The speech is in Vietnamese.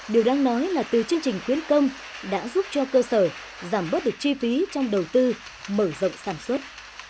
điều đáng nói là từ chương trình khuyến công đã giúp cho cơ sở giảm bớt được chi phí trong đầu tư mở rộng sản xuất